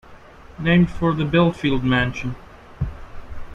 Named for the Belfield Mansion.